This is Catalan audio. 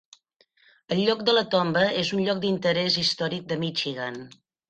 El lloc de la tomba és un lloc d'interès històric de Michigan.